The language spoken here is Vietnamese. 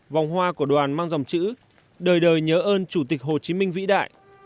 vòng hoa của đoàn mang dòng chữ đời đời nhớ ơn chủ tịch hồ chí minh vĩ đại